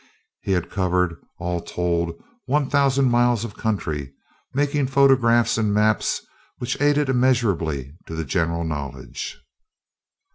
He had covered all told one thousand miles of country, making photographs and maps which added immeasurably to the general knowledge.